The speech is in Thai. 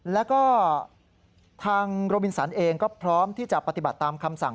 แล้วก็ทางโรบินสันเองก็พร้อมที่จะปฏิบัติตามคำสั่ง